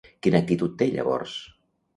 Quina actitud té, llavors?